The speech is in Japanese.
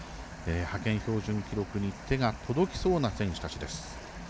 派遣標準記録に手が届きそうな選手たちです。